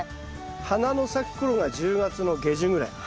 花の咲く頃が１０月の下旬ぐらい。